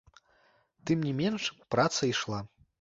Тым не менш, праца ішла.